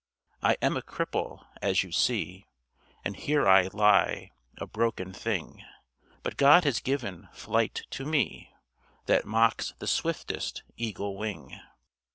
I am a cripple, as you see, And here I lie, a broken thing, But God has given flight to me, That mocks the swiftest eagle wing.